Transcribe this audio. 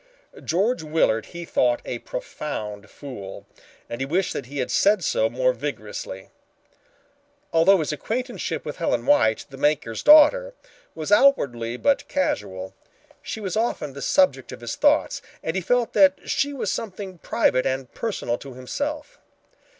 George Willard he thought a profound fool, and he wished that he had said so more vigorously. Although his acquaintanceship with Helen White, the banker's daughter, was outwardly but casual, she was often the subject of his thoughts and he felt that she was something private and personal to himself.